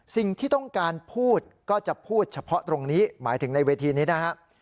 สิ่งที่ต้องการพูดก็จะพูดเฉพาะตรงนี้หมายถึงในเวทีนี้นะครับ